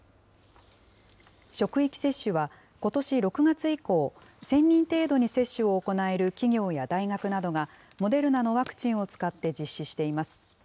職域接種は、ことし６月以降、１０００人程度に接種を行える企業や大学などが、モデルナのワクチンを使って実施しています。